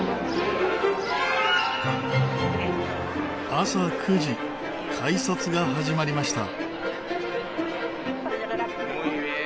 朝９時改札が始まりました。